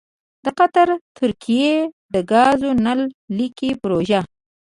دقطر ترکیې دګازو نل لیکې پروژه: